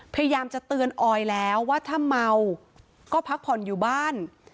พยายามจะเตือนออยแล้วว่าถ้าเมาก็พักผ่อนอยู่บ้าน